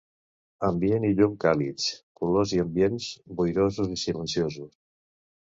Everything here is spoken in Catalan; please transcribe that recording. Ambient i llum càlids ; colors i ambients boirosos i silenciosos.